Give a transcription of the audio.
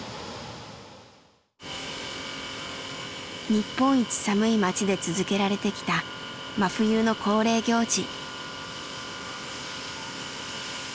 日本一寒い町で続けられてきた真冬の恒例行事。